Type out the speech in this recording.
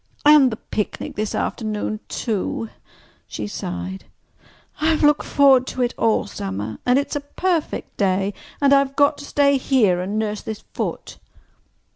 "And the picnic this afternoon, too!" she sighed. "I've looked forward to it all summer. And it's a perfect day—and I've got to stay here and nurse this foot."